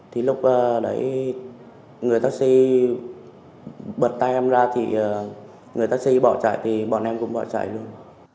thì lúc đấy người taxi bật tay em ra thì người ta xây bỏ chạy thì bọn em cũng bỏ chạy luôn